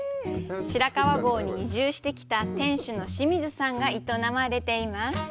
白川郷に移住してきた店主の清水さんが営まれています。